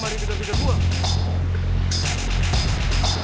metti jalan dulu ya metti